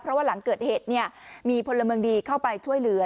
เพราะว่าหลังเกิดเหตุมีพลเมืองดีเข้าไปช่วยเหลือ